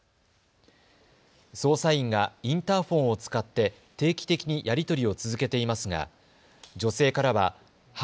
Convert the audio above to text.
捜査員がインターフォンを使って定期的にやり取りを続けていますが女性からはは